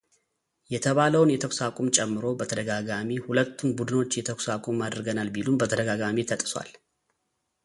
የተባለውን የተኩስ አቁም ጨምሮ በተደጋጋሚ ሁለቱን ቡድኖች የተኩስ አቁም አድርገናል ቢሉም በተደጋጋሚ ተጥሷል።